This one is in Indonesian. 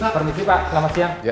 permisi pak selamat siang